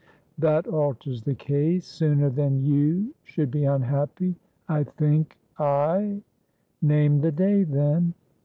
"That alters the case; sooner than you should be unhappy I think I " "Name the day, then."